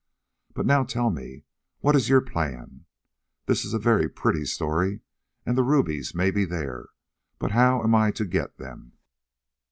But now, tell me, what is your plan? This is a very pretty story, and the rubies may be there, but how am I to get them?"